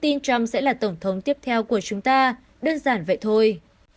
tôi tin trump sẽ là tổng thống tiếp theo của chúng ta đơn giản vậy thôi